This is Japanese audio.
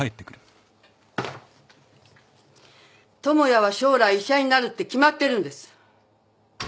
智也は将来医者になるって決まってるんです。